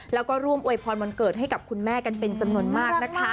แล้วก็ร่วมอวยพรวันเกิดให้กับคุณแม่กันเป็นจำนวนมากนะคะ